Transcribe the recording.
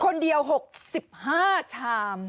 คนเดียว๖๕ชาม